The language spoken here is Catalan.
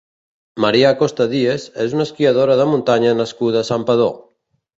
Maria Costa Diez és una esquiadora de muntanya nascuda a Santpedor.